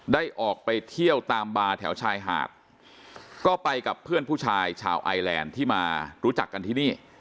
ได้ออกไปเที่ยวตามบาร์แถวชายหาดก็ไปกับเพื่อนผู้ชายชาวไอแลนด์ที่มารู้จักกันที่นี่